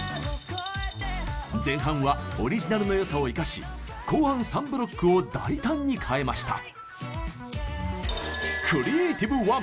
前半はオリジナルのよさを生かし後半３ブロックを大胆に変えました。